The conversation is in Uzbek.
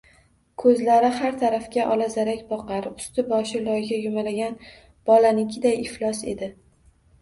Ko’zlari har tarafga olazarak boqar, ust-boshi loyga yumalagan bolanikiday iflos edi.